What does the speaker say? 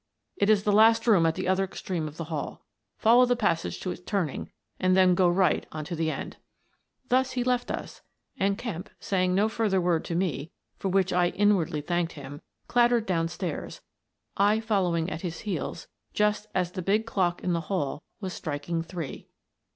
It is the last room at the other extreme of the hall. Follow the passage to its turning and then go right on to the end." Thus he left us and Kemp, saying no further word to me — for which I inwardly thanked him — clattered down stairs, I following at his heels just as the big clock in the hall was striking three.